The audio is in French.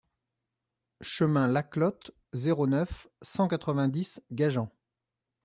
Chemin Las Clotes, zéro neuf, cent quatre-vingt-dix Gajan